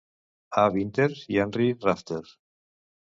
A. Vinter i Henry Rafter.